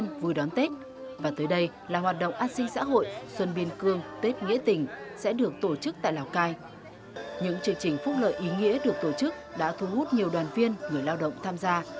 những chương trình phúc lợi ý nghĩa được tổ chức đã thu hút nhiều đoàn viên người lao động tham gia